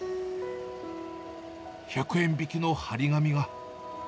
１００円引きの貼り紙が。